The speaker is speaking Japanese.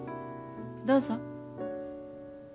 どうぞ。